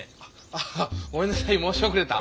あぁごめんなさい申し遅れた。